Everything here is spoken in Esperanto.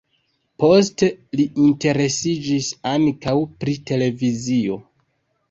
Poste li interesiĝis ankaŭ pri televizio.